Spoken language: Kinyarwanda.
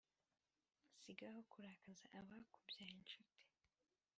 sigaho kurakaza abakubyaye nshuti